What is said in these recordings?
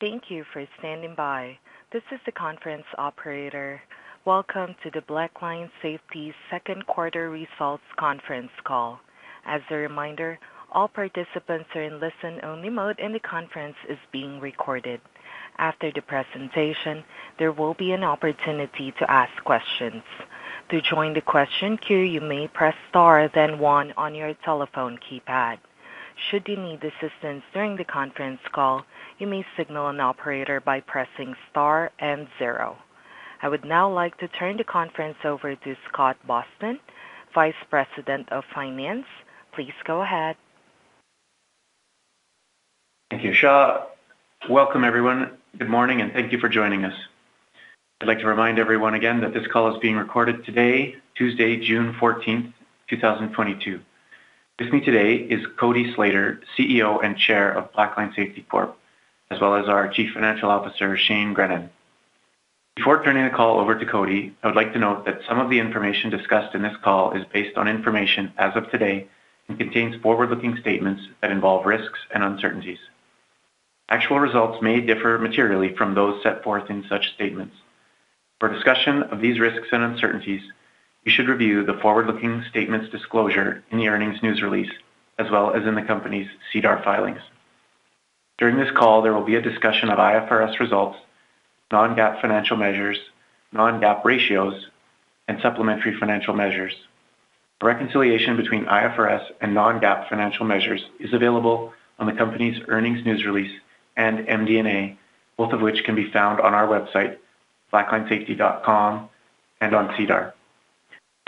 Thank you for standing by. This is the conference operator. Welcome to the Blackline Safety Second Quarter Results Conference Call. As a reminder, all participants are in listen-only mode, and the conference is being recorded. After the presentation, there will be an opportunity to ask questions. To join the question queue, you may press star then one on your telephone keypad. Should you need assistance during the conference call, you may signal an operator by pressing star and zero. I would now like to turn the conference over to Scott Boston, Vice President of Finance. Please go ahead. Thank you, Sha. Welcome, everyone. Good morning, and thank you for joining us. I'd like to remind everyone again that this call is being recorded today, Tuesday, June 14th, 2022. With me today is Cody Slater, CEO and Chair of Blackline Safety Corp., as well as our Chief Financial Officer, Shane Grennan. Before turning the call over to Cody, I would like to note that some of the information discussed in this call is based on information as of today and contains forward-looking statements that involve risks and uncertainties. Actual results may differ materially from those set forth in such statements. For discussion of these risks and uncertainties, you should review the forward-looking statements disclosure in the earnings news release, as well as in the company's SEDAR filings. During this call, there will be a discussion of IFRS results, non-GAAP financial measures, non-GAAP ratios, and supplementary financial measures. The reconciliation between IFRS and non-GAAP financial measures is available on the company's earnings news release and MD&A, both of which can be found on our website, blacklinesafety.com and on SEDAR.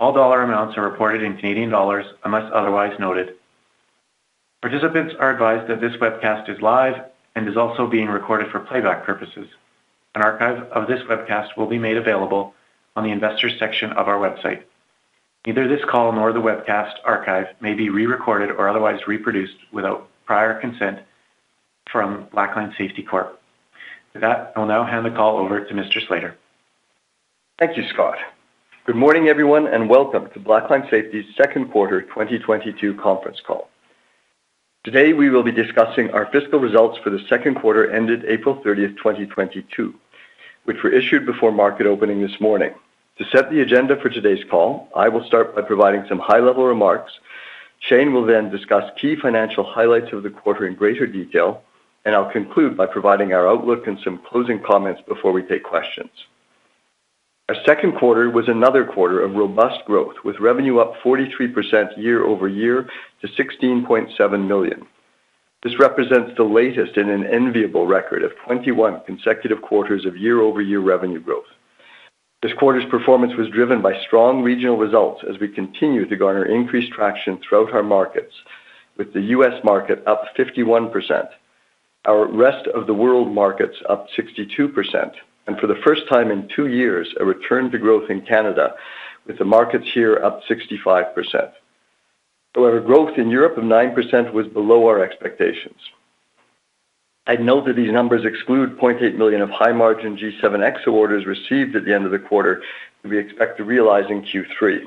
All dollar amounts are reported in Canadian dollars unless otherwise noted. Participants are advised that this webcast is live and is also being recorded for playback purposes. An archive of this webcast will be made available on the investors section of our website. Neither this call nor the webcast archive may be re-recorded or otherwise reproduced without prior consent from Blackline Safety Corp. With that, I'll now hand the call over to Mr. Slater. Thank you, Scott. Good morning, everyone, and welcome to Blackline Safety's second quarter 2022 conference call. Today, we will be discussing our fiscal results for the second quarter ended April 30, 2022, which were issued before market opening this morning. To set the agenda for today's call, I will start by providing some high-level remarks. Shane will then discuss key financial highlights of the quarter in greater detail, and I'll conclude by providing our outlook and some closing comments before we take questions. Our second quarter was another quarter of robust growth, with revenue up 43% year-over-year to 16.7 million. This represents the latest in an enviable record of 21 consecutive quarters of year-over-year revenue growth. This quarter's performance was driven by strong regional results as we continue to garner increased traction throughout our markets, with the U.S. market up 51%, our rest of the world markets up 62%, and for the first time in two years, a return to growth in Canada, with the markets here up 65%. However, growth in Europe of 9% was below our expectations. I'd note that these numbers exclude 0.8 million of high-margin G7 EXO orders received at the end of the quarter that we expect to realize in Q3.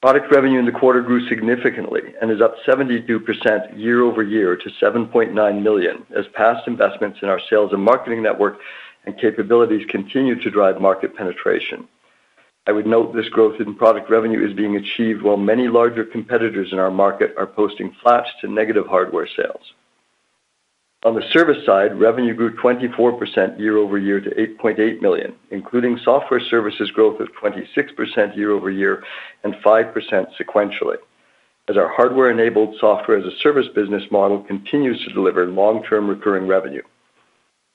Product revenue in the quarter grew significantly and is up 72% year-over-year to 7.9 million as past investments in our sales and marketing network and capabilities continue to drive market penetration. I would note this growth in product revenue is being achieved while many larger competitors in our market are posting flat to negative hardware sales. On the service side, revenue grew 24% year-over-year to 8.8 million, including software services growth of 26% year-over-year and 5% sequentially as our hardware-enabled software as a service business model continues to deliver long-term recurring revenue.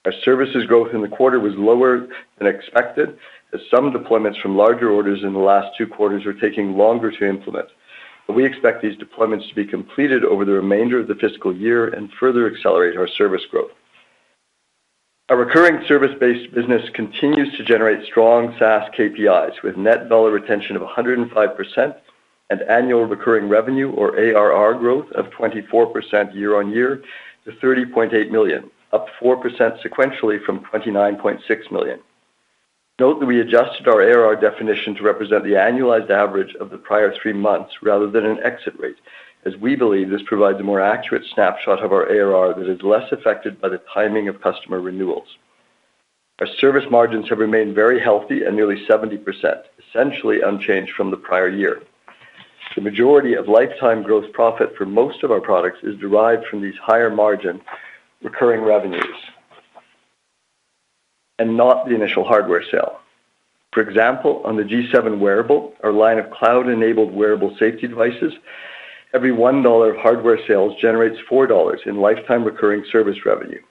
Our services growth in the quarter was lower than expected as some deployments from larger orders in the last 2 quarters are taking longer to implement, but we expect these deployments to be completed over the remainder of the fiscal year and further accelerate our service growth. Our recurring service-based business continues to generate strong SaaS KPIs with net dollar retention of 105% and annual recurring revenue or ARR growth of 24% year-over-year to 30.8 million, up 4% sequentially from 29.6 million. Note that we adjusted our ARR definition to represent the annualized average of the prior three months rather than an exit rate, as we believe this provides a more accurate snapshot of our ARR that is less affected by the timing of customer renewals. Our service margins have remained very healthy at nearly 70%, essentially unchanged from the prior year. The majority of lifetime gross profit for most of our products is derived from these higher margin recurring revenues and not the initial hardware sale. For example, on the G7 wearable, our line of cloud-enabled wearable safety devices, every 1 dollar of hardware sales generates 4 dollars in lifetime recurring service revenue.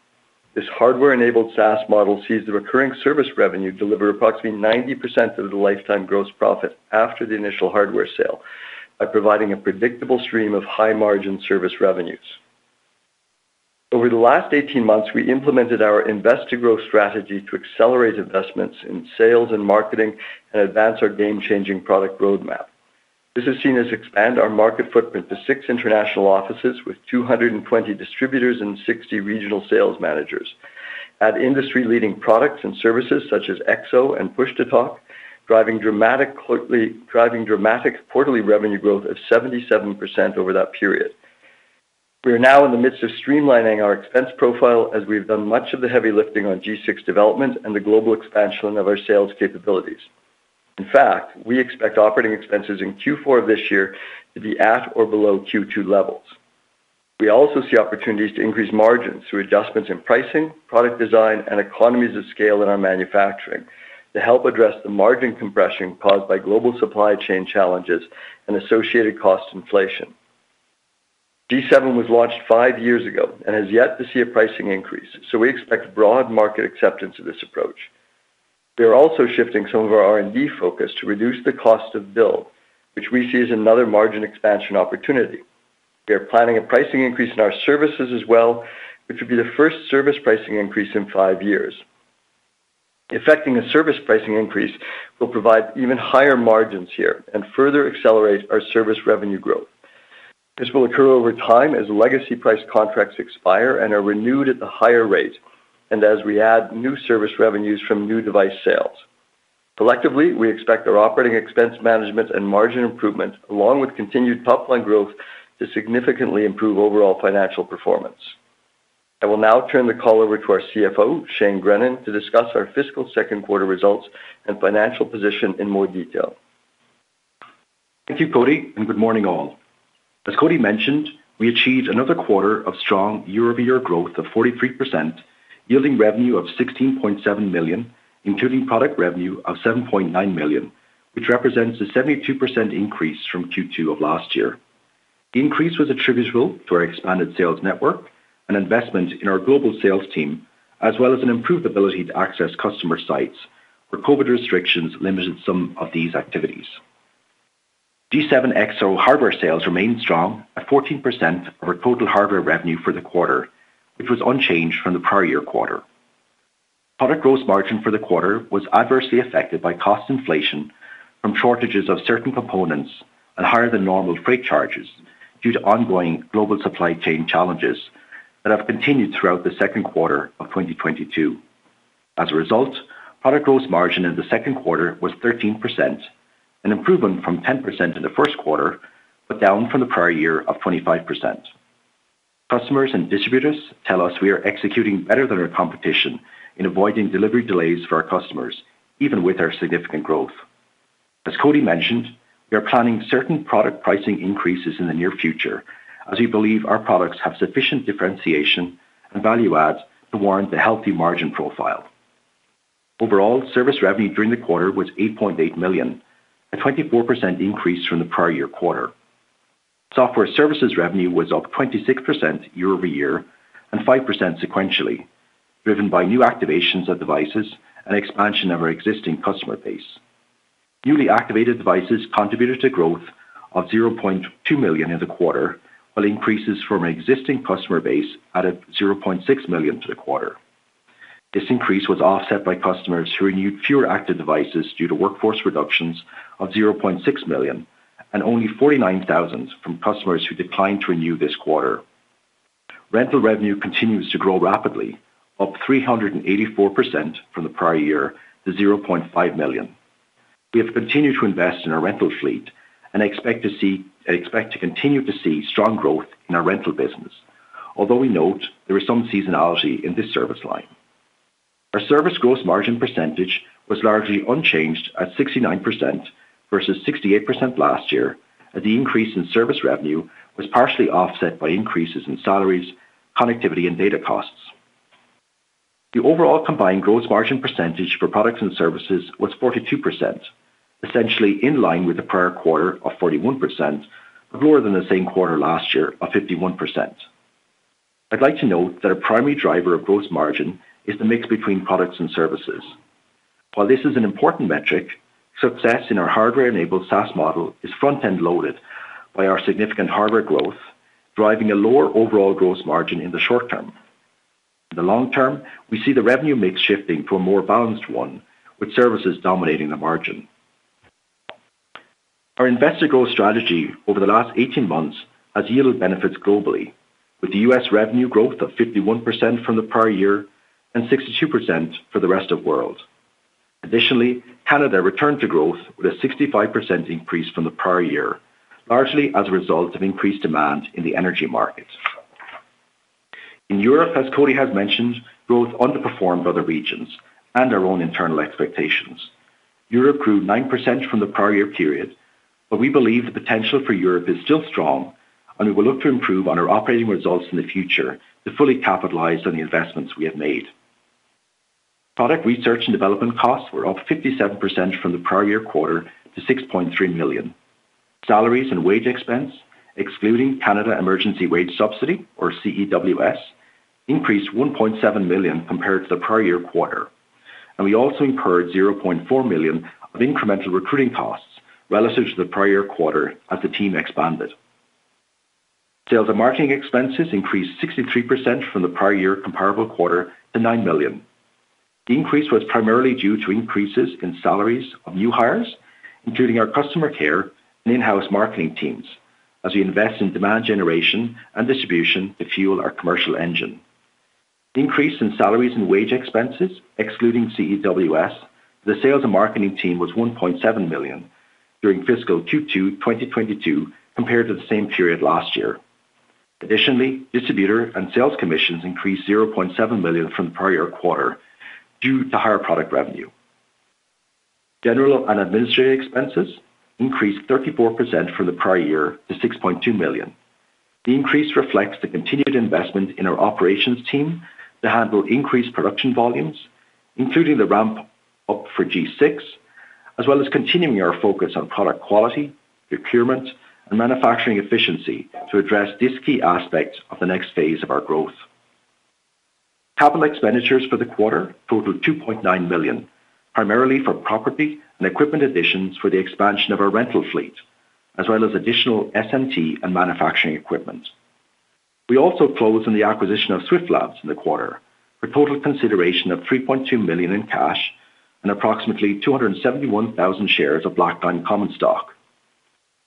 This hardware-enabled SaaS model sees the recurring service revenue deliver approximately 90% of the lifetime gross profit after the initial hardware sale by providing a predictable stream of high margin service revenues. Over the last 18 months, we implemented our invest to grow strategy to accelerate investments in sales and marketing and advance our game-changing product roadmap. This has seen us expand our market footprint to six international offices with 220 distributors and 60 regional sales managers, add industry-leading products and services such as EXO and push-to-talk, driving dramatic quarterly revenue growth of 77% over that period. We are now in the midst of streamlining our expense profile as we've done much of the heavy lifting on G6 development and the global expansion of our sales capabilities. In fact, we expect operating expenses in Q4 of this year to be at or below Q2 levels. We also see opportunities to increase margins through adjustments in pricing, product design, and economies of scale in our manufacturing to help address the margin compression caused by global supply chain challenges and associated cost inflation. G7 was launched five years ago and has yet to see a pricing increase, so we expect broad market acceptance of this approach. We are also shifting some of our R&D focus to reduce the cost of build, which we see as another margin expansion opportunity. We are planning a pricing increase in our services as well, which would be the first service pricing increase in five years. Effecting a service pricing increase will provide even higher margins here and further accelerate our service revenue growth. This will occur over time as legacy price contracts expire and are renewed at the higher rate, and as we add new service revenues from new device sales. Collectively, we expect our operating expense management and margin improvement, along with continued top-line growth, to significantly improve overall financial performance. I will now turn the call over to our CFO, Shane Grennan, to discuss our fiscal second quarter results and financial position in more detail. Thank you, Cody, and good morning, all. As Cody mentioned, we achieved another quarter of strong year-over-year growth of 43%, yielding revenue of 16.7 million, including product revenue of 7.9 million, which represents a 72% increase from Q2 of last year. The increase was attributable to our expanded sales network and investment in our global sales team, as well as an improved ability to access customer sites, where COVID restrictions limited some of these activities. G7 EXO hardware sales remained strong at 14% of our total hardware revenue for the quarter, which was unchanged from the prior year quarter. Product gross margin for the quarter was adversely affected by cost inflation from shortages of certain components and higher than normal freight charges due to ongoing global supply chain challenges that have continued throughout the second quarter of 2022. As a result, product gross margin in the second quarter was 13%, an improvement from 10% in the first quarter, but down from the prior year of 25%. Customers and distributors tell us we are executing better than our competition in avoiding delivery delays for our customers, even with our significant growth. As Cody mentioned, we are planning certain product pricing increases in the near future, as we believe our products have sufficient differentiation and value adds to warrant the healthy margin profile. Overall, service revenue during the quarter was 8.8 million, a 24% increase from the prior year quarter. Software services revenue was up 26% year-over-year and 5% sequentially, driven by new activations of devices and expansion of our existing customer base. Newly activated devices contributed to growth of 0.2 million in the quarter, while increases from our existing customer base added 0.6 million to the quarter. This increase was offset by customers who renewed fewer active devices due to workforce reductions of 0.6 million and only 49,000 from customers who declined to renew this quarter. Rental revenue continues to grow rapidly, up 384% from the prior year to 0.5 million. We have continued to invest in our rental fleet and expect to continue to see strong growth in our rental business, although we note there is some seasonality in this service line. Our service gross margin percentage was largely unchanged at 69% versus 68% last year, as the increase in service revenue was partially offset by increases in salaries, connectivity, and data costs. The overall combined gross margin percentage for products and services was 42%, essentially in line with the prior quarter of 41%, but lower than the same quarter last year of 51%. I'd like to note that our primary driver of gross margin is the mix between products and services. While this is an important metric, success in our hardware-enabled SaaS model is front-end loaded by our significant hardware growth, driving a lower overall gross margin in the short term. In the long term, we see the revenue mix shifting to a more balanced one, with services dominating the margin. Our investor growth strategy over the last 18 months has yielded benefits globally, with the U.S. revenue growth of 51% from the prior year and 62% for the rest of world. Additionally, Canada returned to growth with a 65% increase from the prior year, largely as a result of increased demand in the energy market. In Europe, as Cody has mentioned, growth underperformed other regions and our own internal expectations. Europe grew 9% from the prior year period, but we believe the potential for Europe is still strong and we will look to improve on our operating results in the future to fully capitalize on the investments we have made. Product research and development costs were up 57% from the prior year quarter to 6.3 million. Salaries and wage expense, excluding Canada Emergency Wage Subsidy, or CEWS, increased 1.7 million compared to the prior year quarter. We also incurred 0.4 million of incremental recruiting costs relative to the prior year quarter as the team expanded. Sales and marketing expenses increased 63% from the prior year comparable quarter to 9 million. The increase was primarily due to increases in salaries of new hires, including our customer care and in-house marketing teams, as we invest in demand generation and distribution to fuel our commercial engine. The increase in salaries and wage expenses, excluding CEWS, the sales and marketing team was 1.7 million during fiscal Q2, 2022 compared to the same period last year. Additionally, distributor and sales commissions increased 0.7 million from the prior quarter due to higher product revenue. General and administrative expenses increased 34% from the prior year to 6.2 million. The increase reflects the continued investment in our operations team to handle increased production volumes, including the ramp up for G6, as well as continuing our focus on product quality, procurement and manufacturing efficiency to address these key aspects of the next phase of our growth. Capital expenditures for the quarter totaled 2.9 million, primarily for property and equipment additions for the expansion of our rental fleet, as well as additional SMT and manufacturing equipment. We also closed on the acquisition of Swift Labs in the quarter for total consideration of 3.2 million in cash and approximately 271,000 shares of Blackline Safety common stock.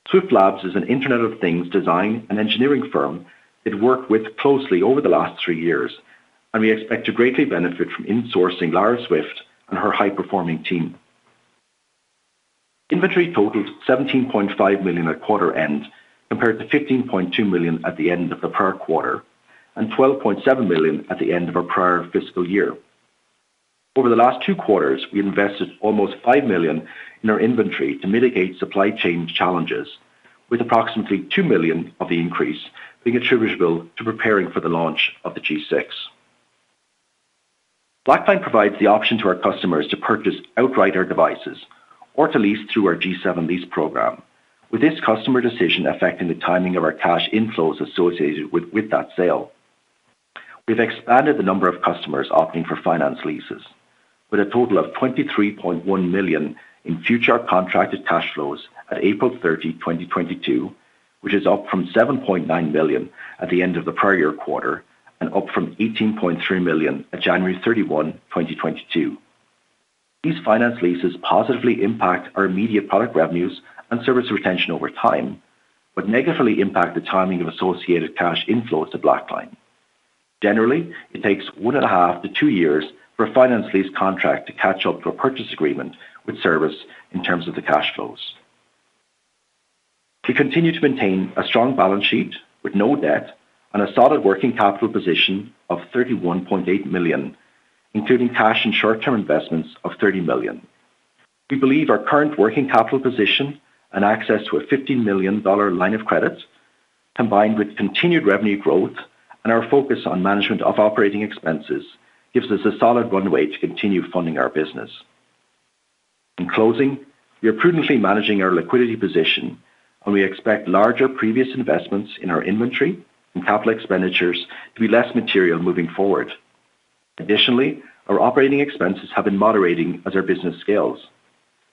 Swift Labs is an Internet of Things design and engineering firm we've worked with closely over the last three years, and we expect to greatly benefit from insourcing Laura Swift and her high-performing team. Inventory totaled 17.5 million at quarter end, compared to 15.2 million at the end of the prior quarter and 12.7 million at the end of our prior fiscal year. Over the last two quarters, we invested almost 5 million in our inventory to mitigate supply chain challenges, with approximately 2 million of the increase being attributable to preparing for the launch of the G6. Blackline provides the option to our customers to purchase outright our devices or to lease through our G7 lease program. With this customer decision affecting the timing of our cash inflows associated with that sale. We've expanded the number of customers opting for finance leases with a total of 23.1 million in future contracted cash flows at April 30, 2022, which is up from 7.9 million at the end of the prior year quarter and up from 18.3 million at January 31, 2022. These finance leases positively impact our immediate product revenues and service retention over time, but negatively impact the timing of associated cash inflows to Blackline Safety. Generally, it takes 1.5-2 years for a finance lease contract to catch up to a purchase agreement with service in terms of the cash flows. We continue to maintain a strong balance sheet with no debt and a solid working capital position of 31.8 million, including cash and short-term investments of 30 million. We believe our current working capital position and access to a $15 million line of credit, combined with continued revenue growth and our focus on management of operating expenses, gives us a solid runway to continue funding our business. In closing, we are prudently managing our liquidity position, and we expect larger previous investments in our inventory and capital expenditures to be less material moving forward. Additionally, our operating expenses have been moderating as our business scales.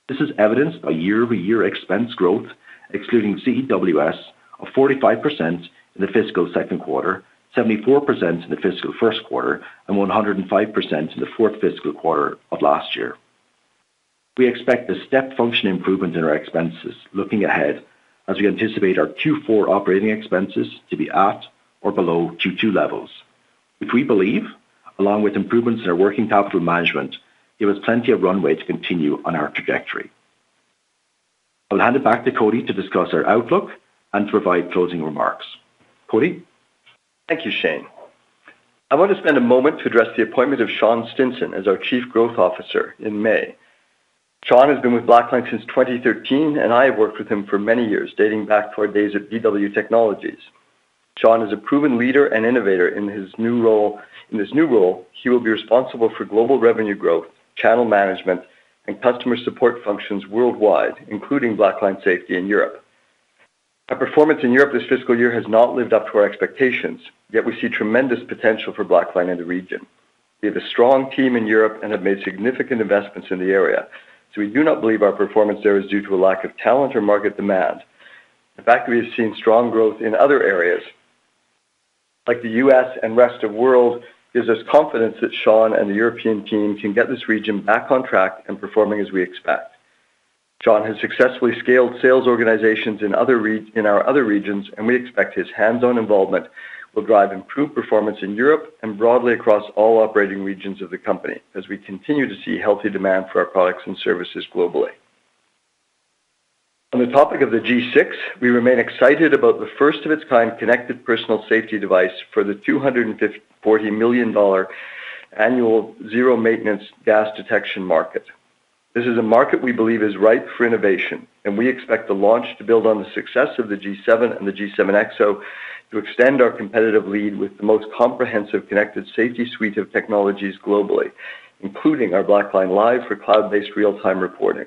This is evidenced by year-over-year expense growth, excluding CEWS, of 45% in the fiscal second quarter, 74% in the fiscal first quarter, and 105% in the fourth fiscal quarter of last year. We expect a step function improvement in our expenses looking ahead as we anticipate our Q4 operating expenses to be at or below Q2 levels, which we believe, along with improvements in our working capital management, give us plenty of runway to continue on our trajectory. I'll hand it back to Cody to discuss our outlook and provide closing remarks. Cody. Thank you, Shane. I want to spend a moment to address the appointment of Sean Stinson as our Chief Growth Officer in May. Sean has been with Blackline Safety since 2013, and I have worked with him for many years, dating back to our days at BW Technologies. Sean is a proven leader and innovator in his new role. In his new role, he will be responsible for global revenue growth, channel management, and customer support functions worldwide, including Blackline Safety in Europe. Our performance in Europe this fiscal year has not lived up to our expectations, yet we see tremendous potential for Blackline Safety in the region. We have a strong team in Europe and have made significant investments in the area, so we do not believe our performance there is due to a lack of talent or market demand. The fact that we have seen strong growth in other areas like the US and rest of world gives us confidence that Sean and the European team can get this region back on track and performing as we expect. Sean has successfully scaled sales organizations in our other regions, and we expect his hands-on involvement will drive improved performance in Europe and broadly across all operating regions of the company as we continue to see healthy demand for our products and services globally. On the topic of the G6, we remain excited about the first of its kind connected personal safety device for the $250 million-$400 million annual zero maintenance gas detection market. This is a market we believe is ripe for innovation, and we expect the launch to build on the success of the G7 and the G7 EXO to extend our competitive lead with the most comprehensive connected safety suite of technologies globally, including our Blackline Live for cloud-based real-time reporting.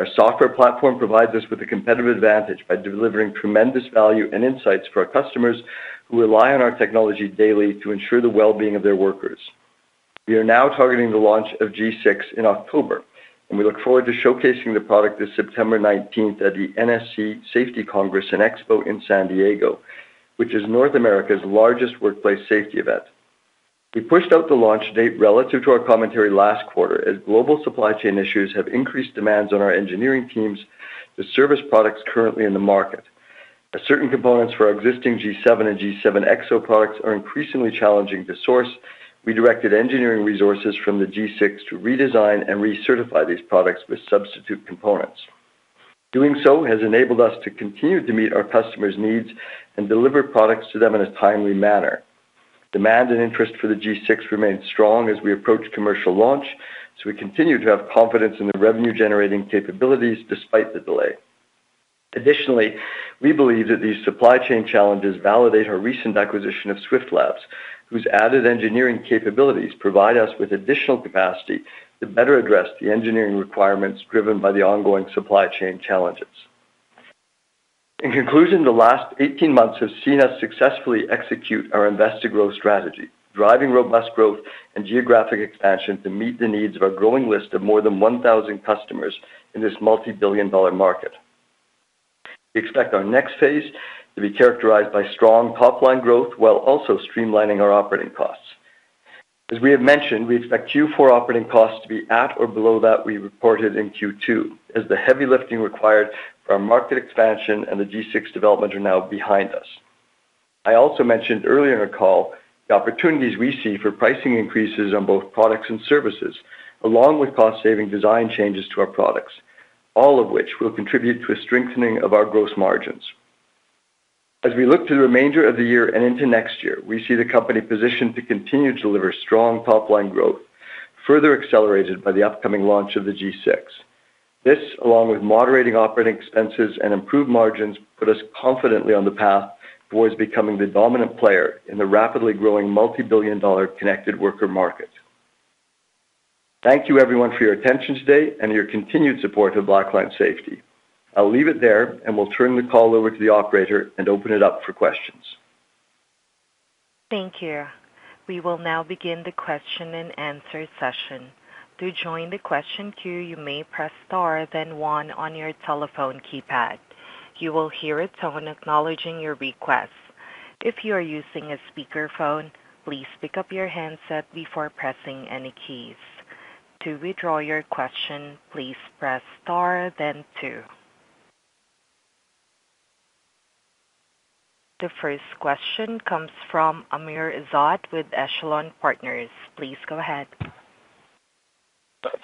Our software platform provides us with a competitive advantage by delivering tremendous value and insights for our customers who rely on our technology daily to ensure the well-being of their workers. We are now targeting the launch of G6 in October, and we look forward to showcasing the product this September nineteenth at the NSC Safety Congress & Expo in San Diego, which is North America's largest workplace safety event. We pushed out the launch date relative to our commentary last quarter, as global supply chain issues have increased demands on our engineering teams to service products currently in the market. As certain components for our existing G7 and G7 EXO products are increasingly challenging to source, we directed engineering resources from the G6 to redesign and recertify these products with substitute components. Doing so has enabled us to continue to meet our customers' needs and deliver products to them in a timely manner. Demand and interest for the G6 remains strong as we approach commercial launch, so we continue to have confidence in the revenue generating capabilities despite the delay. Additionally, we believe that these supply chain challenges validate our recent acquisition of Swift Labs, whose added engineering capabilities provide us with additional capacity to better address the engineering requirements driven by the ongoing supply chain challenges. In conclusion, the last eighteen months have seen us successfully execute our Invest to Grow strategy, driving robust growth and geographic expansion to meet the needs of our growing list of more than 1,000 customers in this multi-billion dollar market. We expect our next phase to be characterized by strong top line growth while also streamlining our operating costs. As we have mentioned, we expect Q4 operating costs to be at or below that we reported in Q2, as the heavy lifting required for our market expansion and the G6 development are now behind us. I also mentioned earlier in our call the opportunities we see for pricing increases on both products and services, along with cost saving design changes to our products, all of which will contribute to a strengthening of our gross margins. As we look to the remainder of the year and into next year, we see the company positioned to continue to deliver strong top line growth, further accelerated by the upcoming launch of the G6. This, along with moderating operating expenses and improved margins, put us confidently on the path towards becoming the dominant player in the rapidly growing multi-billion-dollar connected worker market. Thank you everyone for your attention today and your continued support of Blackline Safety. I'll leave it there, and we'll turn the call over to the operator and open it up for questions. Thank you. We will now begin the question and answer session. To join the question queue, you may press star then one on your telephone keypad. You will hear a tone acknowledging your request. If you are using a speakerphone, please pick up your handset before pressing any keys. To withdraw your question, please press star then two. The first question comes from Amr Ezzat with Echelon Wealth Partners. Please go ahead.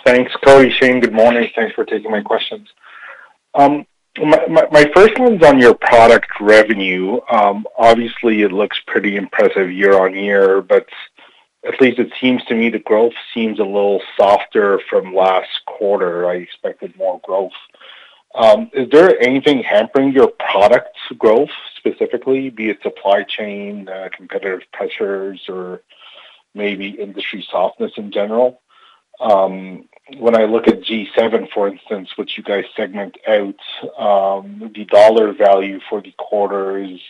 Thanks, Cody, Shane. Good morning. Thanks for taking my questions. My first one's on your product revenue. Obviously it looks pretty impressive year-over-year, but at least it seems to me the growth seems a little softer from last quarter. I expected more growth. Is there anything hampering your product's growth specifically, be it supply chain, competitive pressures or maybe industry softness in general? When I look at G7, for instance, which you guys segment out, the dollar value for the quarter is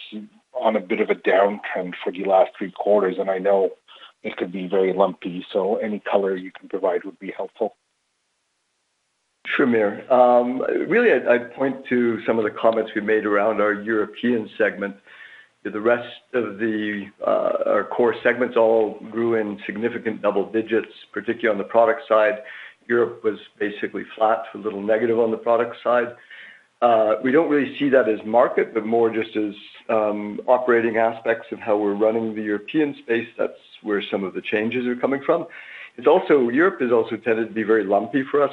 on a bit of a downtrend for the last three quarters, and I know it could be very lumpy, so any color you can provide would be helpful. Sure, Amr. Really, I point to some of the comments we made around our European segment. The rest of our core segments all grew in significant double digits, particularly on the product side. Europe was basically flat to a little negative on the product side. We don't really see that as market, but more just as operating aspects of how we're running the European space. That's where some of the changes are coming from. It's also, Europe has also tended to be very lumpy for us,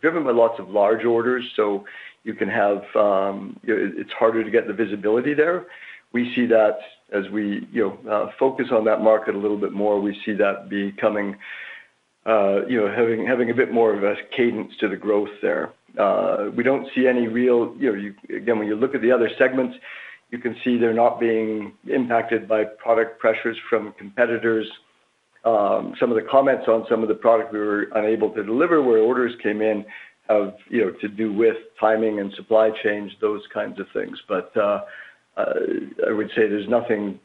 driven by lots of large orders, so you can have, you know, it's harder to get the visibility there. We see that as we, you know, focus on that market a little bit more, we see that becoming, you know, having having a bit more of a cadence to the growth there. We don't see any real, you know, again, when you look at the other segments, you can see they're not being impacted by product pressures from competitors. Some of the comments on some of the product we were unable to deliver where orders came in have, you know, to do with timing and supply chains, those kinds of things. I would say there's nothing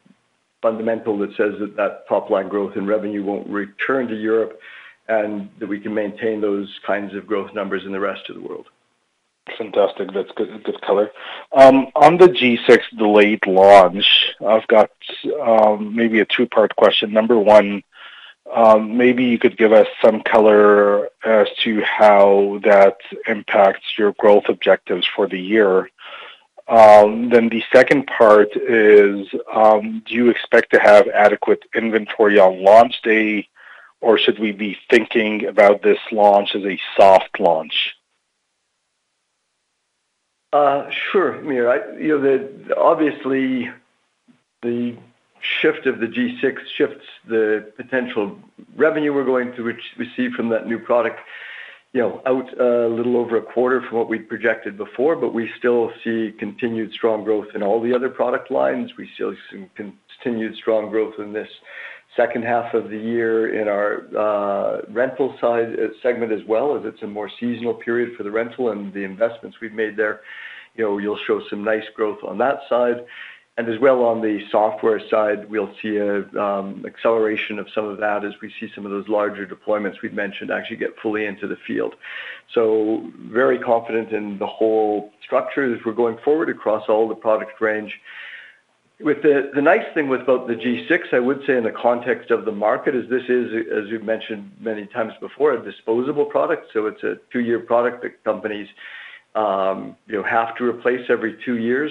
fundamental that says that top line growth in revenue won't return to Europe, and that we can maintain those kinds of growth numbers in the rest of the world. Fantastic. That's good color. On the G6 delayed launch, I've got maybe a two-part question. Number one, maybe you could give us some color as to how that impacts your growth objectives for the year. The second part is, do you expect to have adequate inventory on launch day, or should we be thinking about this launch as a soft launch? Sure, Amr. You know that obviously the shift of the G6 shifts the potential revenue we're going to receive from that new product, you know, out a little over a quarter from what we'd projected before. We still see continued strong growth in all the other product lines. We still see continued strong growth in this second half of the year in our rental side segment as well, as it's a more seasonal period for the rental and the investments we've made there. You know, you'll show some nice growth on that side. As well on the software side, we'll see a acceleration of some of that as we see some of those larger deployments we've mentioned actually get fully into the field. Very confident in the whole structure as we're going forward across all the product range. The nice thing with both the G6, I would say in the context of the market, is this is, as you've mentioned many times before, a disposable product, so it's a two-year product that companies, you know, have to replace every two years.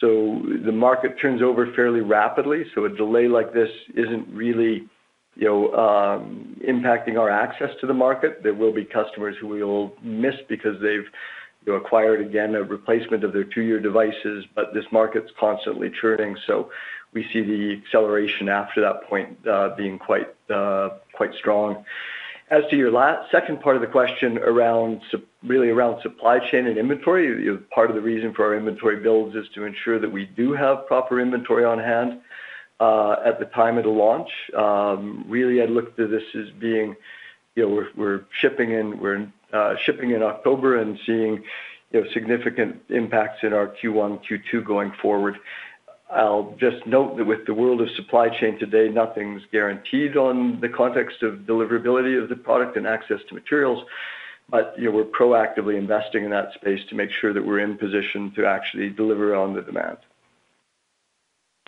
The market turns over fairly rapidly, so a delay like this isn't really, you know, impacting our access to the market. There will be customers who we will miss because they've acquired, again, a replacement of their two-year devices, but this market's constantly churning, so we see the acceleration after that point being quite strong. As to your second part of the question around supply chain and inventory, part of the reason for our inventory builds is to ensure that we do have proper inventory on hand at the time of the launch. Really, I'd look to this as being, you know, we're shipping in October and seeing, you know, significant impacts in our Q1, Q2 going forward. I'll just note that with the world of supply chain today, nothing's guaranteed on the context of deliverability of the product and access to materials. You know, we're proactively investing in that space to make sure that we're in position to actually deliver on the demand.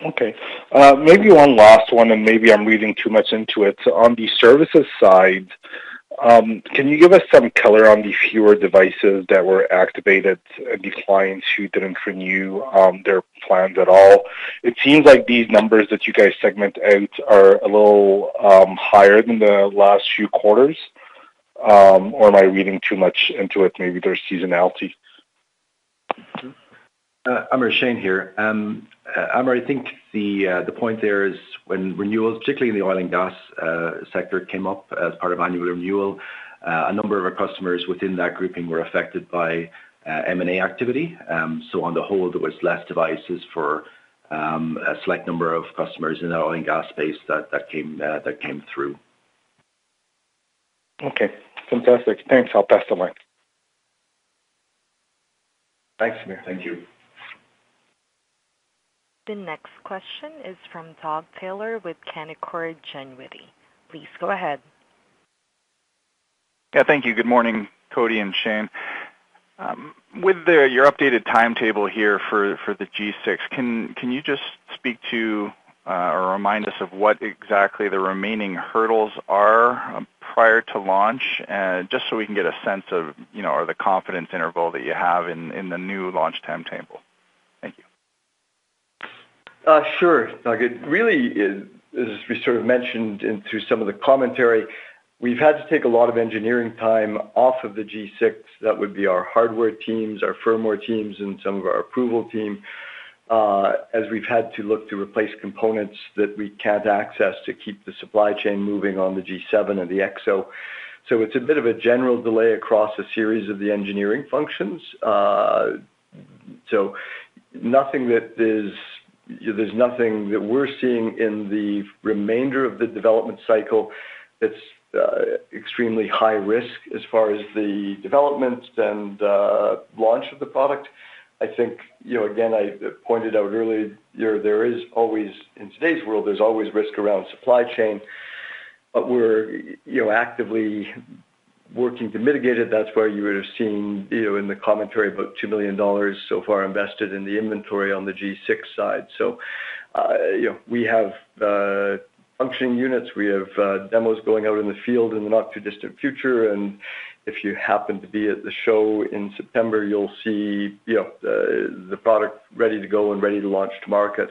Okay. Maybe one last one, and maybe I'm reading too much into it. On the services side, can you give us some color on the fewer devices that were activated, the clients who didn't renew their plans at all? It seems like these numbers that you guys segment out are a little higher than the last few quarters, or am I reading too much into it? Maybe there's seasonality. Amr, Shane here. Amr, I think the point there is when renewals, particularly in the oil and gas sector, came up as part of annual renewal, a number of our customers within that grouping were affected by M&A activity. On the whole, there was less devices for a select number of customers in the oil and gas space that came through. Okay. Fantastic. Thanks. I'll pass the line. Thanks, Amr. Thank you. The next question is from Doug Taylor with Canaccord Genuity. Please go ahead. Yeah, thank you. Good morning, Cody and Shane. With your updated timetable here for the G6, can you just speak to or remind us of what exactly the remaining hurdles are prior to launch, just so we can get a sense of, you know, or the confidence interval that you have in the new launch timetable? Thank you. Sure, Doug. It really is, as we sort of mentioned and through some of the commentary, we've had to take a lot of engineering time off of the G6. That would be our hardware teams, our firmware teams, and some of our approval team, as we've had to look to replace components that we can't access to keep the supply chain moving on the G7 and the EXO. It's a bit of a general delay across a series of the engineering functions. There's nothing that we're seeing in the remainder of the development cycle that's extremely high risk as far as the developments and launch of the product. I think, you know, again, I pointed out earlier, there is always, in today's world, there's always risk around supply chain. We're, you know, actively working to mitigate it. That's why you would have seen, you know, in the commentary about 2 million dollars so far invested in the inventory on the G6 side. You know, we have functioning units. We have demos going out in the field in the not-too-distant future. If you happen to be at the show in September, you'll see, you know, the product ready to go and ready to launch to market.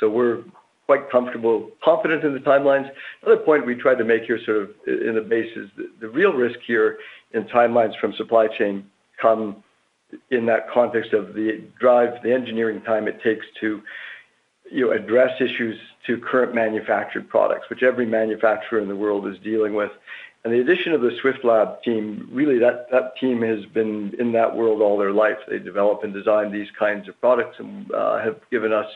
We're quite comfortable, confident in the timelines. Another point we tried to make here sort of in the base is the real risk here in timelines from supply chain come in that context of the drive, the engineering time it takes to, you know, address issues to current manufactured products, which every manufacturer in the world is dealing with. The addition of the Swift Labs team, really that team has been in that world all their life. They develop and design these kinds of products and have given us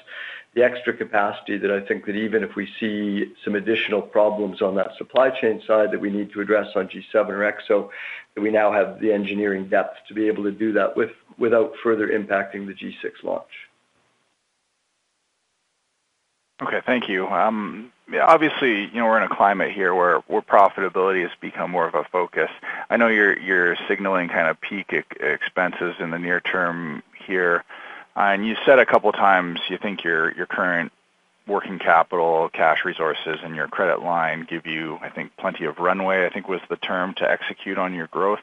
the extra capacity that I think that even if we see some additional problems on that supply chain side that we need to address on G7 or EXO, that we now have the engineering depth to be able to do that without further impacting the G6 launch. Okay. Thank you. Obviously, you know, we're in a climate here where profitability has become more of a focus. I know you're signaling kind of peak expenses in the near term here. You said a couple times you think your current working capital, cash resources, and your credit line give you, I think, plenty of runway, I think, was the term, to execute on your growth.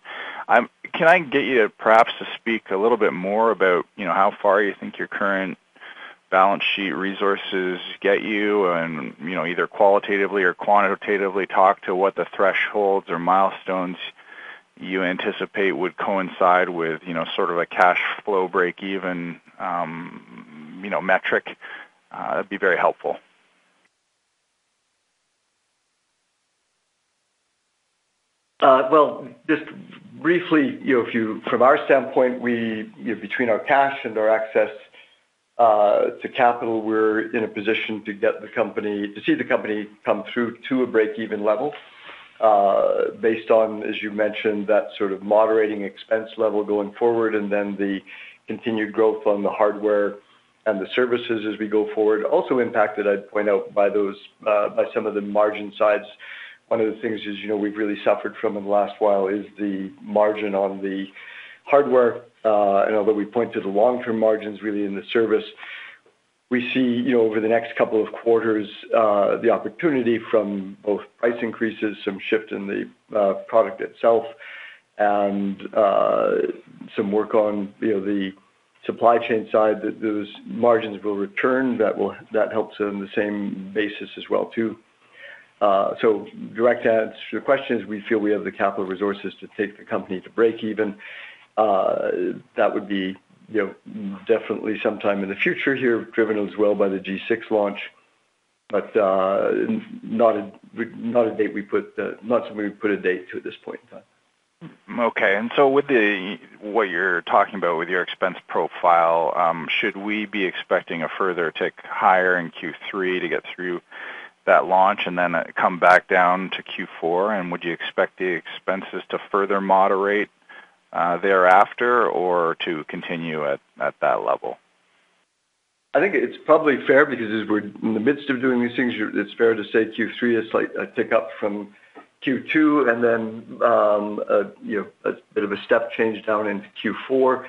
Can I get you perhaps to speak a little bit more about, you know, how far you think your current balance sheet resources get you and, you know, either qualitatively or quantitatively talk to what the thresholds or milestones you anticipate would coincide with, you know, sort of a cash flow breakeven, you know, metric? That'd be very helpful. Well, just briefly, you know, from our standpoint, we, you know, between our cash and our access to capital, we're in a position to see the company come through to a breakeven level, based on, as you mentioned, that sort of moderating expense level going forward and then the continued growth on the hardware and the services as we go forward also impacted, I'd point out, by some of the margin sides. One of the things is, you know, we've really suffered from in the last while is the margin on the hardware, and although we point to the long-term margins really in the service, we see, you know, over the next couple of quarters, the opportunity from both price increases, some shift in the product itself, and some work on, you know, the supply chain side, those margins will return. That helps on the same basis as well too. Direct answer to your question is we feel we have the capital resources to take the company to breakeven. That would be, you know, definitely sometime in the future here, driven as well by the G6 launch, but not a date we put, not something we put a date to at this point in time. Okay. With the, what you're talking about with your expense profile, should we be expecting a further tick higher in Q3 to get through that launch and then come back down to Q4? Would you expect the expenses to further moderate thereafter or to continue at that level? I think it's probably fair because as we're in the midst of doing these things, it's fair to say Q3 is slight, a tick up from Q2, and then you know, a bit of a step change down into Q4.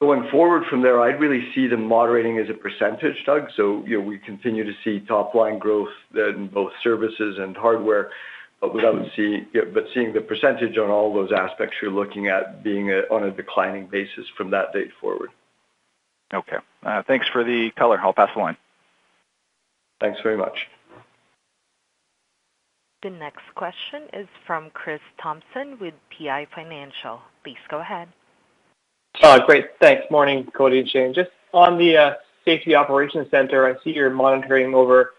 Going forward from there, I'd really see them moderating as a percentage, Doug. We continue to see top line growth then both services and hardware, but seeing the percentage on all those aspects, you're looking at being on a declining basis from that date forward. Okay. Thanks for the color. I'll pass the line. Thanks very much. The next question is from Chris Thompson with PI Financial. Please go ahead. Oh, great. Thanks. Morning, Cody and Shane. Just on the Safety Operations Center, I see you're monitoring over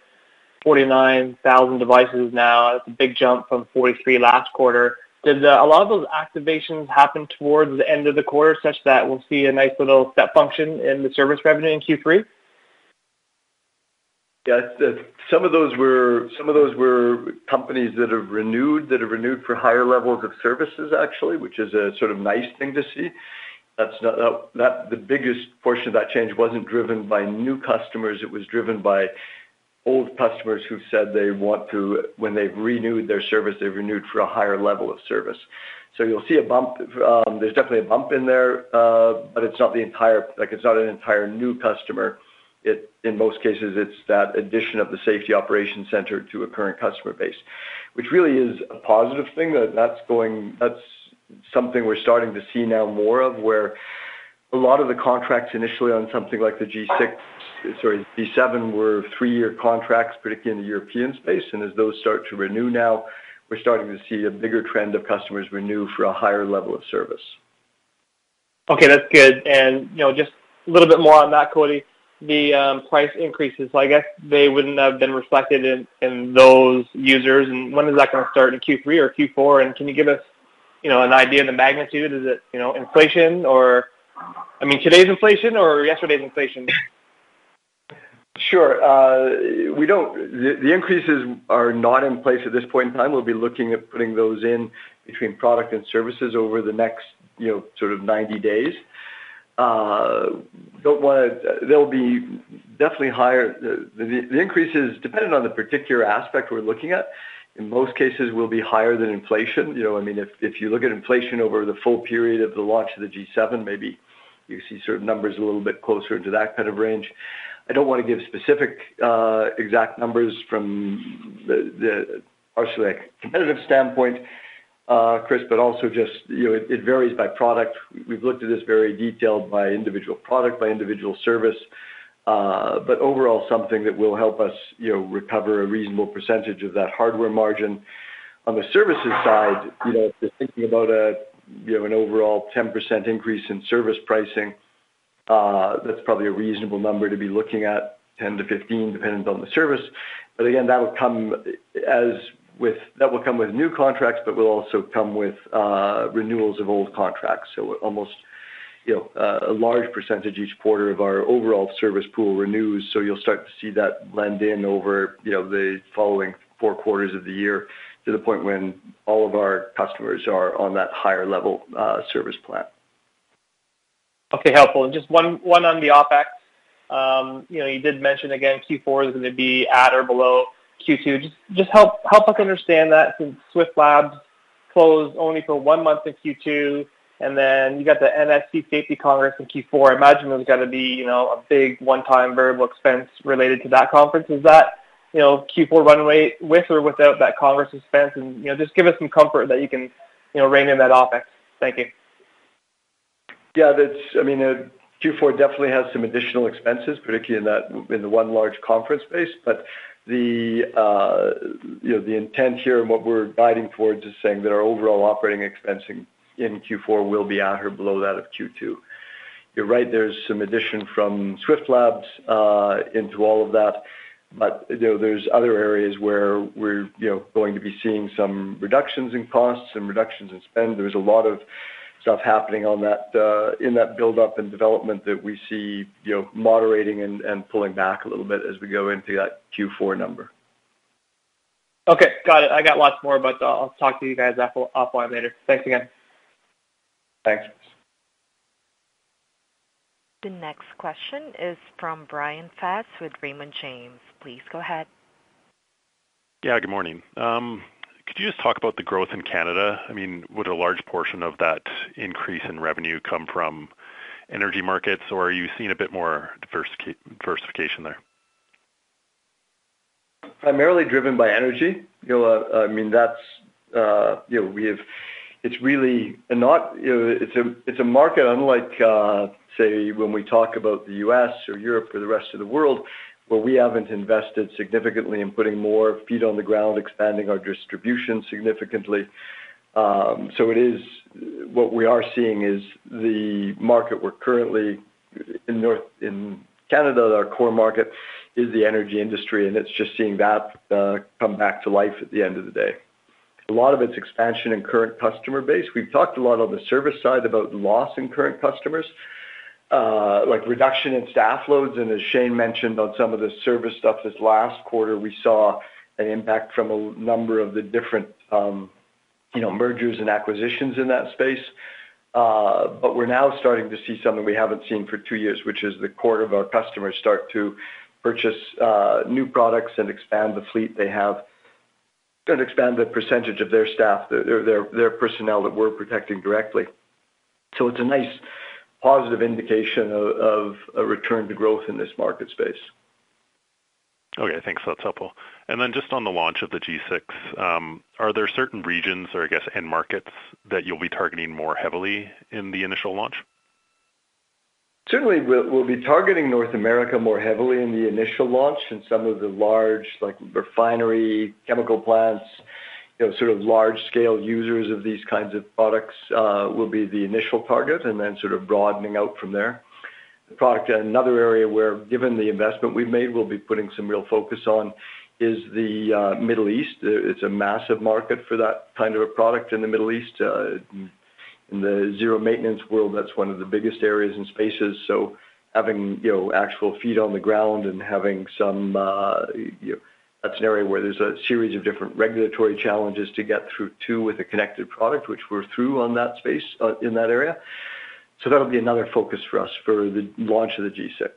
49,000 devices now. That's a big jump from 43,000 last quarter. Did a lot of those activations happen towards the end of the quarter such that we'll see a nice little step function in the service revenue in Q3? Yeah. Some of those were companies that have renewed for higher levels of services actually, which is a sort of nice thing to see. The biggest portion of that change wasn't driven by new customers, it was driven by old customers who've said they want to. When they've renewed their service, they've renewed for a higher level of service. You'll see a bump. There's definitely a bump in there, but it's not the entire, like, it's not an entire new customer. In most cases, it's that addition of the Safety Operations Center to a current customer base, which really is a positive thing. That's something we're starting to see now more of, where a lot of the contracts initially on something like the G6, sorry, G7 were three-year contracts, particularly in the European space. As those start to renew now, we're starting to see a bigger trend of customers renew for a higher level of service. Okay, that's good. You know, just a little bit more on that, Cody. The price increases, I guess they wouldn't have been reflected in those users. When is that gonna start, in Q3 or Q4? Can you give us, you know, an idea of the magnitude? Is it, you know, inflation or, I mean, today's inflation or yesterday's inflation? Sure. The increases are not in place at this point in time. We'll be looking at putting those in between product and services over the next, you know, sort of 90 days. They'll be definitely higher. The increases, depending on the particular aspect we're looking at, in most cases will be higher than inflation. You know, I mean, if you look at inflation over the full period of the launch of the G7, maybe you see certain numbers a little bit closer to that kind of range. I don't wanna give specific, exact numbers from the partially competitive standpoint, Chris, but also just, you know, it varies by product. We've looked at this very detailed by individual product, by individual service. Overall, something that will help us, you know, recover a reasonable percentage of that hardware margin. On the services side, you know, just thinking about, you know, an overall 10% increase in service pricing, that's probably a reasonable number to be looking at, 10%-15%, depending on the service. Again, that will come with new contracts but will also come with renewals of old contracts. Almost, you know, a large percentage each quarter of our overall service pool renews. You'll start to see that blend in over, you know, the following four quarters of the year to the point when all of our customers are on that higher level service plan. Okay. Helpful. Just one on the OpEx. You know, you did mention again Q4 is gonna be at or below Q2. Just help us understand that since Swift Labs closed only for one month in Q2, and then you got the NSC Safety Congress in Q4. I imagine there's gonna be a big one-time variable expense related to that conference. Is that Q4 runway with or without that Congress expense? You know, just give us some comfort that you can rein in that OpEx. Thank you. Yeah. That's, I mean, Q4 definitely has some additional expenses, particularly in that, in the one large conference space. The you know, the intent here and what we're guiding towards is saying that our overall operating expenses in Q4 will be at or below that of Q2. You're right, there's some addition from Swift Labs into all of that. You know, there's other areas where we're, you know, going to be seeing some reductions in costs and reductions in spend. There's a lot of stuff happening on that, in that buildup and development that we see, you know, moderating and pulling back a little bit as we go into that Q4 number. Okay, got it. I got lots more, but I'll talk to you guys offline later. Thanks again. Thanks. The next question is from Brian Fast with Raymond James. Please go ahead. Yeah, good morning. Could you just talk about the growth in Canada? I mean, would a large portion of that increase in revenue come from energy markets, or are you seeing a bit more diversification there? Primarily driven by energy. You know, I mean that's, you know, we have. It's really not, you know, it's a market unlike, say when we talk about the U.S. or Europe or the rest of the world, where we haven't invested significantly in putting more feet on the ground, expanding our distribution significantly. It is. What we are seeing is the market we're currently in Canada, our core market, is the energy industry, and it's just seeing that come back to life at the end of the day. A lot of it's expansion in current customer base. We've talked a lot on the service side about loss in current customers, like reduction in staff loads. As Shane mentioned on some of the service stuff this last quarter, we saw an impact from a number of the different, you know, mergers and acquisitions in that space. We're now starting to see something we haven't seen for two years, which is the core of our customers start to purchase new products and expand the fleet they have. Gonna expand the percentage of their staff, their personnel that we're protecting directly. It's a nice positive indication of a return to growth in this market space. Okay, thanks. That's helpful. Just on the launch of the G6, are there certain regions or I guess end markets that you'll be targeting more heavily in the initial launch? Certainly we'll be targeting North America more heavily in the initial launch and some of the large, like refinery chemical plants, you know, sort of large scale users of these kinds of products, will be the initial target and then sort of broadening out from there. Another area where, given the investment we've made, we'll be putting some real focus on is the Middle East. It's a massive market for that kind of a product in the Middle East. In the zero maintenance world, that's one of the biggest areas and spaces. So having, you know, actual feet on the ground and having some, you know, that's an area where there's a series of different regulatory challenges to get through to with a connected product, which we're through on that space, in that area. That'll be another focus for us for the launch of the G6.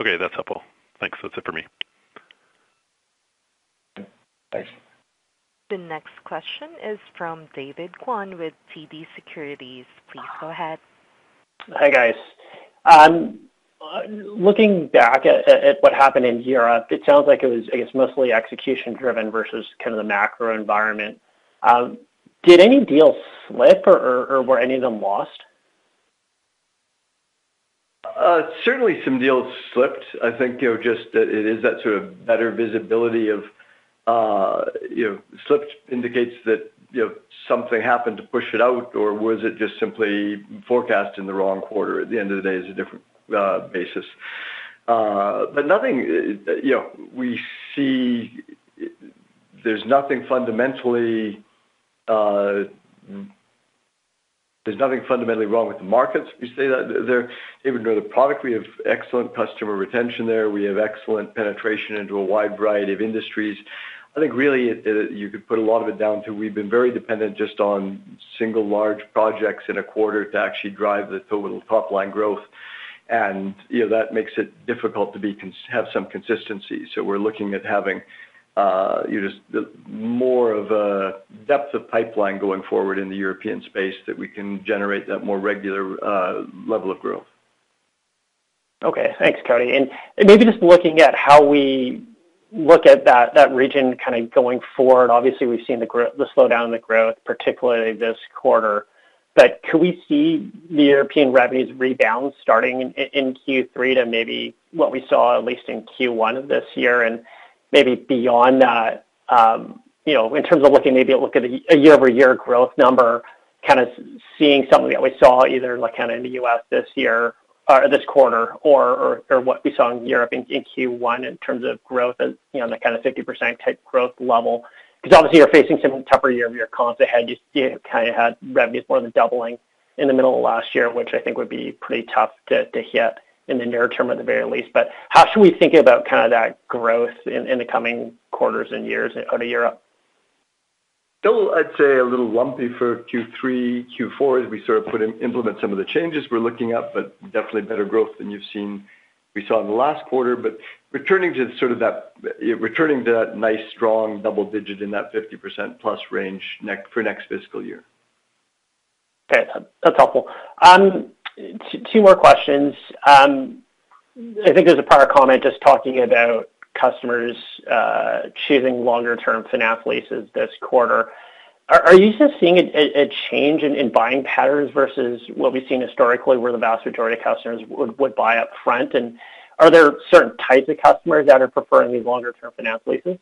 Okay, that's helpful. Thanks. That's it for me. Thanks. The next question is from David Kwan with TD Securities. Please go ahead. Hi, guys. Looking back at what happened in Europe, it sounds like it was, I guess, mostly execution driven versus kind of the macro environment. Did any deals slip or were any of them lost? Certainly some deals slipped. I think, you know, just it is that sort of better visibility of, you know, slipped indicates that, you know, something happened to push it out or was it just simply forecast in the wrong quarter at the end of the day is a different basis. But nothing, you know, we see there's nothing fundamentally wrong with the markets. We say that there even though the product, we have excellent customer retention there. We have excellent penetration into a wide variety of industries. I think really you could put a lot of it down to we've been very dependent just on single large projects in a quarter to actually drive the total top line growth. You know, that makes it difficult to have some consistency. We're looking at having, you know, just more of a depth of pipeline going forward in the European space that we can generate that more regular, level of growth. Okay. Thanks, Cody. Maybe just looking at how we look at that region kind of going forward. Obviously, we've seen the slowdown in the growth, particularly this quarter. Could we see the European revenues rebound starting in Q3 to maybe what we saw at least in Q1 of this year and maybe beyond that, you know, in terms of looking, maybe a look at a year-over-year growth number, kind of seeing something that we saw either like kind of in the U.S. this year or this quarter or what we saw in Europe in Q1 in terms of growth as, you know, that kind of 50% type growth level. Because obviously you're facing some tougher year-over-year comps. They had just kinda had revenues more than doubling in the middle of last year, which I think would be pretty tough to hit in the near term at the very least. How should we think about kinda that growth in the coming quarters and years out of Europe? Still, I'd say a little lumpy for Q3, Q4 as we sort of implement some of the changes we're looking at, but definitely better growth than we saw in the last quarter. Returning to that nice, strong double-digit in that 50%+ range for next fiscal year. Okay. That's helpful. Two more questions. I think there's a prior comment just talking about customers choosing longer term finance leases this quarter. Are you still seeing a change in buying patterns versus what we've seen historically, where the vast majority of customers would buy up front? Are there certain types of customers that are preferring these longer term finance leases?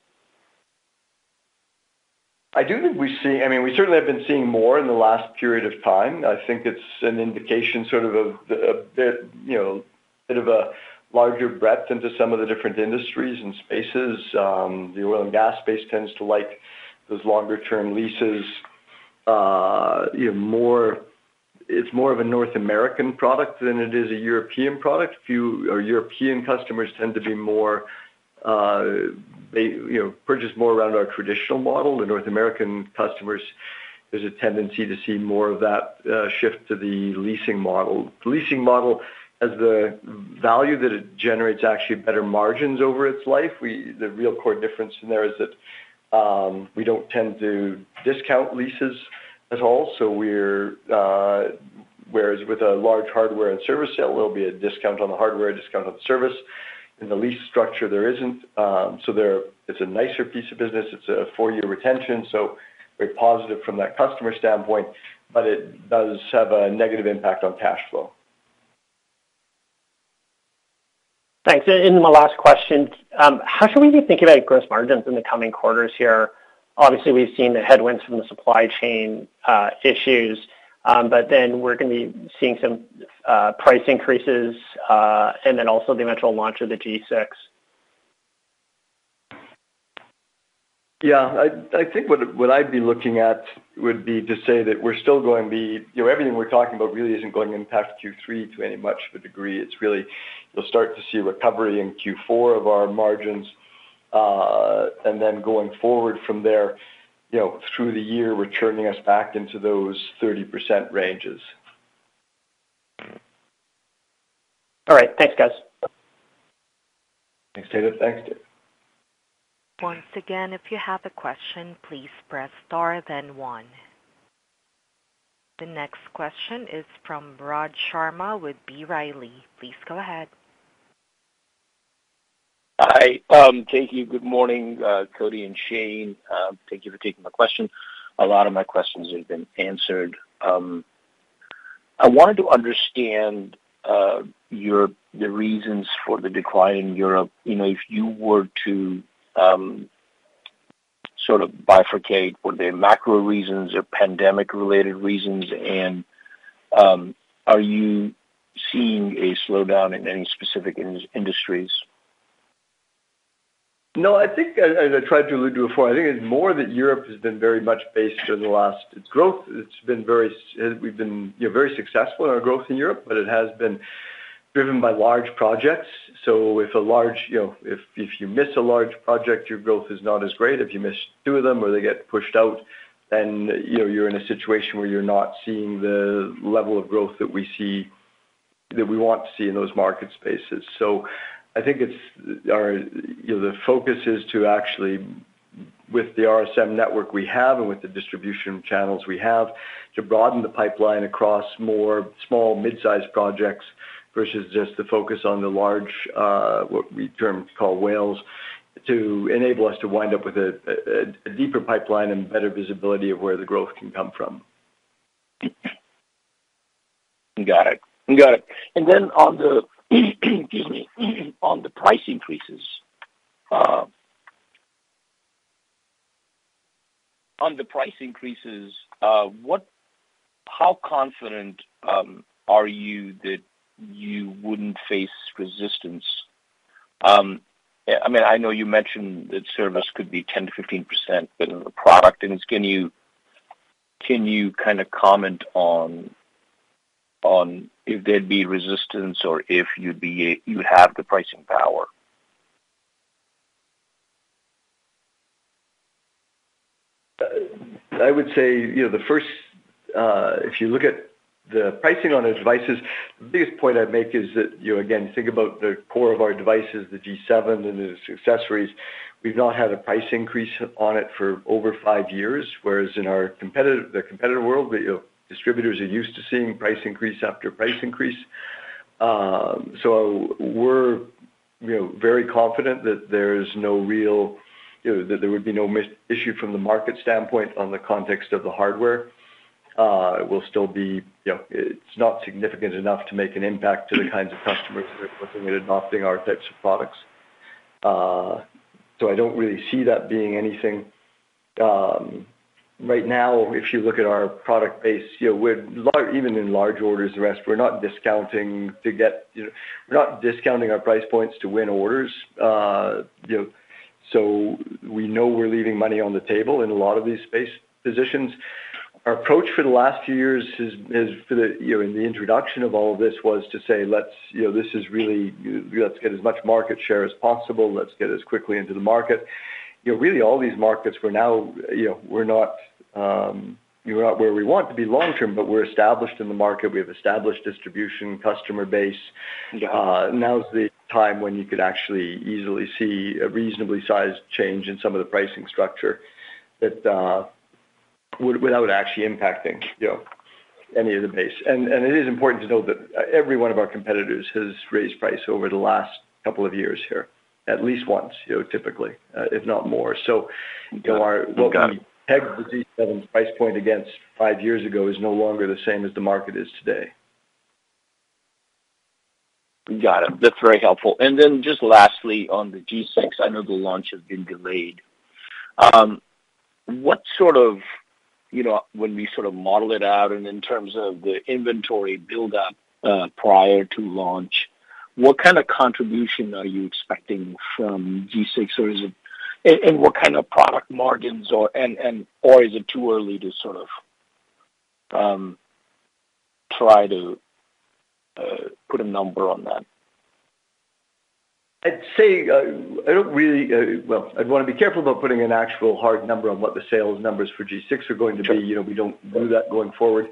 I do think we see. I mean, we certainly have been seeing more in the last period of time. I think it's an indication sort of, a bit, you know, bit of a larger breadth into some of the different industries and spaces. The oil and gas space tends to like those longer term leases, you know, it's more of a North American product than it is a European product. Our European customers tend to be more, they, you know, purchase more around our traditional model. The North American customers, there's a tendency to see more of that, shift to the leasing model. The leasing model as the value that it generates actually better margins over its life. The real core difference in there is that, we don't tend to discount leases at all. So we're, Whereas with a large hardware and service sale, there'll be a discount on the hardware, a discount on the service. In the lease structure, there isn't. There it's a nicer piece of business. It's a four-year retention, so very positive from that customer standpoint, but it does have a negative impact on cash flow. Thanks. My last question, how should we be thinking about gross margins in the coming quarters here? Obviously, we've seen the headwinds from the supply chain issues, but then we're gonna be seeing some price increases, and then also the eventual launch of the G6. Yeah, I think what I'd be looking at would be to say that we're still going to be. You know, everything we're talking about really isn't going to impact Q3 to any great degree. It's really you'll start to see recovery in Q4 of our margins. Going forward from there, you know, through the year, returning us back into those 30% ranges. All right. Thanks, guys. Thanks, Taylor. Thanks. Once again, if you have a question, please press star, then one. The next question is from Rahul Sharma with B. Riley. Please go ahead. Hi. Thank you. Good morning, Cody and Shane. Thank you for taking my question. A lot of my questions have been answered. I wanted to understand the reasons for the decline in Europe. You know, if you were to sort of bifurcate, were they macro reasons or pandemic-related reasons? Are you seeing a slowdown in any specific industries? No, I think as I tried to allude to before, I think it's more that Europe has been very much based over the last. We've been, you know, very successful in our growth in Europe, but it has been driven by large projects. If you miss a large project, you know, your growth is not as great. If you miss two of them or they get pushed out, then, you know, you're in a situation where you're not seeing the level of growth that we want to see in those market spaces. I think it's our you know the focus is to actually with the RSM network we have and with the distribution channels we have to broaden the pipeline across more small mid-sized projects versus just the focus on the large what we term to call whales to enable us to wind up with a deeper pipeline and better visibility of where the growth can come from. Got it. Excuse me, on the price increases, how confident are you that you wouldn't face resistance? I mean, I know you mentioned that service could be 10%-15% better than the product. Can you kinda comment on if there'd be resistance or if you have the pricing power? I would say, you know, the first, if you look at the pricing on the devices, the biggest point I'd make is that, you know, again, think about the core of our devices, the G7 and the accessories. We've not had a price increase on it for over five years, whereas in our competitive world, you know, distributors are used to seeing price increase after price increase. So we're, you know, very confident that there's no real, you know, that there would be no issue from the market standpoint on the context of the hardware. It will still be, you know, it's not significant enough to make an impact to the kinds of customers that are looking at adopting our types of products. So I don't really see that being anything. Right now, if you look at our product base, you know, even in large orders, the rest, we're not discounting to get, you know, we're not discounting our price points to win orders. You know, so we know we're leaving money on the table in a lot of these sales positions. Our approach for the last few years is for the, you know, in the introduction of all of this was to say, "Let's, you know, this is really, let's get as much market share as possible. Let's get as quickly into the market." You know, really all these markets we're now, you know, we're not where we want to be long term, but we're established in the market. We have established distribution, customer base. Got it. Now's the time when you could actually easily see a reasonably sized change in some of the pricing structure that, without actually impacting, you know, any of the base. It is important to note that every one of our competitors has raised price over the last couple of years here, at least once, you know, typically, if not more. You know, our- Got it. What we pegged the G7 price point against five years ago is no longer the same as the market is today. Got it. That's very helpful. Then just lastly, on the G6, I know the launch has been delayed. What sort of, when we sort of model it out and in terms of the inventory buildup, prior to launch, what kind of contribution are you expecting from G6? Or is it and what kind of product margins or is it too early to sort of try to put a number on that? Well, I'd wanna be careful about putting an actual hard number on what the sales numbers for G6 are going to be. Sure. You know, we don't do that going forward.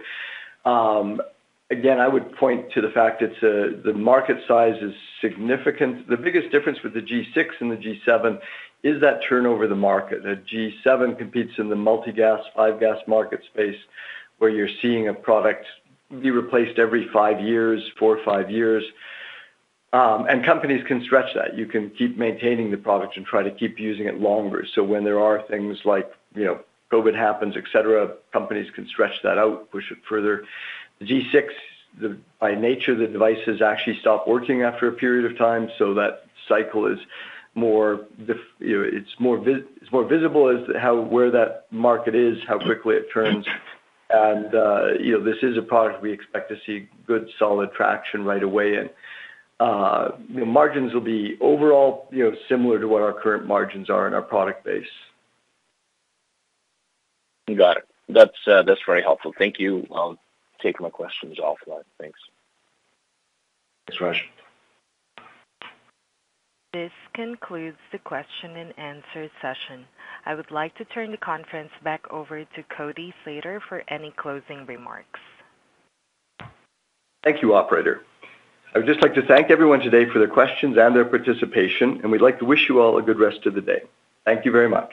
Again, I would point to the fact that, the market size is significant. The biggest difference with the G6 and the G7 is that turnover of the market. The G7 competes in the multi-gas, five-gas market space, where you're seeing a product be replaced every five years, four to five years. Companies can stretch that. You can keep maintaining the product and try to keep using it longer. When there are things like, you know, COVID happens, et cetera, companies can stretch that out, push it further. The G6, by nature, the devices actually stop working after a period of time, so that cycle is more visible as to where that market is, how quickly it turns. You know, You know, this is a product we expect to see good, solid traction right away. The margins will be overall, you know, similar to what our current margins are in our product base. Got it. That's very helpful. Thank you. I'll take my questions offline. Thanks. Thanks, Rod. This concludes the question and answer session. I would like to turn the conference back over to Cody Slater for any closing remarks. Thank you, operator. I would just like to thank everyone today for their questions and their participation, and we'd like to wish you all a good rest of the day. Thank you very much.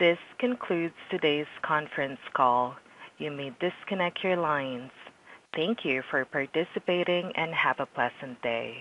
This concludes today's conference call. You may disconnect your lines. Thank you for participating, and have a pleasant day.